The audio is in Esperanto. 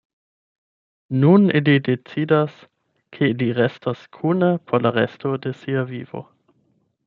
Nun ili decidas, ke ili restos kune por la resto de sia vivo.